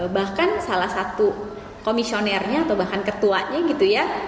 bahkan salah satu komisionernya atau bahkan ketuanya gitu ya